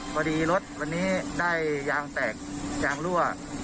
พอดีรถวันนี้ได้ยางแตกยางรั่ว